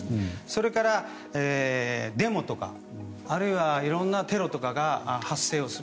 それから、デモとかあるいはいろんなテロとかが発生する。